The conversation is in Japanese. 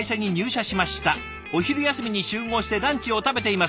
お昼休みに集合してランチを食べています」。